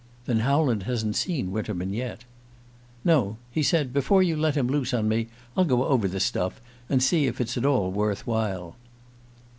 "Then Howland hasn't seen Winterman yet?" "No. He said: 'Before you let him loose on me I'll go over the stuff, and see if it's at all worth while.